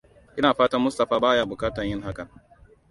Ina fatan Mustapha baya bukatar yin hakan.